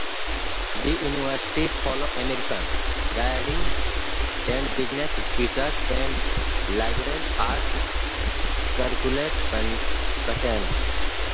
The university follows American grading and business, research and liberal arts curricular patterns.